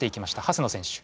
長谷野選手。